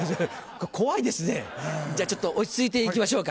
怖いですねじゃあちょっと落ち着いていきましょうか。